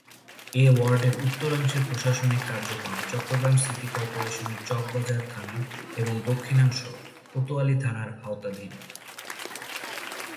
এ ওয়ার্ডের উত্তরাংশের প্রশাসনিক কার্যক্রম চট্টগ্রাম সিটি কর্পোরেশনের চকবাজার থানার এবং দক্ষিণাংশ কোতোয়ালী থানার আওতাধীন।